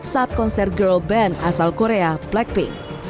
saat konser girl band asal korea blackpink